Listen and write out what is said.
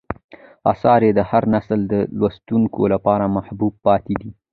آثار یې د هر نسل د لوستونکو لپاره محبوب پاتې دي.